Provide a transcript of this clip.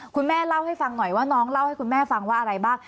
คุณแม่เล่าให้ฟังหน่อยว่าน้องเล่าให้คุณแม่ฟังว่าอะไรบ้าง